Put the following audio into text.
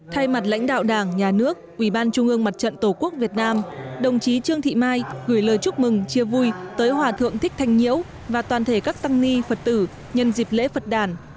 thay mặt lãnh đạo đảng nhà nước ủy ban trung ương mặt trận tổ quốc việt nam đồng chí trương thị mai gửi lời chúc mừng chia vui tới hòa thượng thích thanh nhiễu và toàn thể các tăng ni phật tử nhân dịp lễ phật đàn